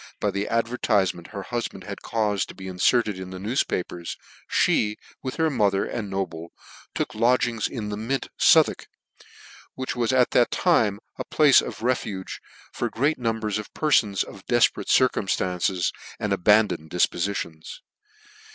by the advertifement her hufband had caufed to be inferted in the news papers, me, with her mother, and Noble, took lodgings in the Mint, Southwark, which was at that time a place of refuge for great numbers of perlbns of defperate circumftances and abandoned difpofitions.